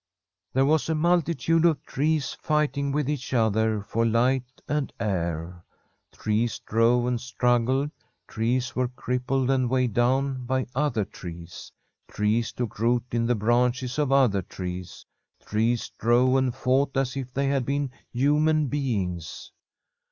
There was a multitude of trees, fighting with each other for light and air. Trees strove and struggled, trees were crippled and weighed down by other trees. Trees took root in the branches of other trees. Trees strove and fought as if they had been human beings.